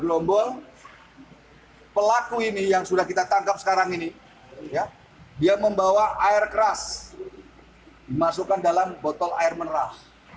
jadi pelaku ini yang sudah kita tangkap sekarang ini ya dia membawa air keras dimasukkan dalam botol air menerah